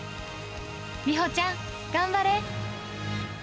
理歩ちゃん、頑張れ！